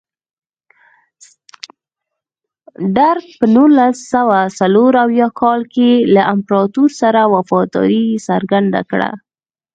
درګ په نولس سوه څلور اویا کال کې له امپراتور سره وفاداري څرګنده کړه.